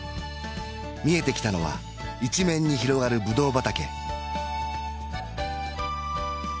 見えてきたのは一面に広がるブドウ畑